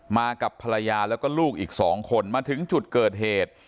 มากับภรรยาแล้วก็ลูกอีก๒คนมาถึงจุดเกิดเหตุ